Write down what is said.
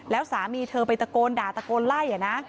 แล้วสามีเธอไปตะโกนด่าตะโกนไล่